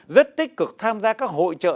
rất tích cực tham gia các hội trợ